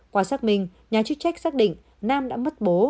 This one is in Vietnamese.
qua xác minh nhà chức trách xác định nam đã mất bố